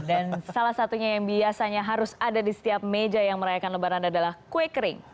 dan salah satunya yang biasanya harus ada di setiap meja yang merayakan lebaran adalah kue kering